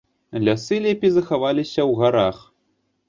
Лясы лепей захаваліся ў гарах.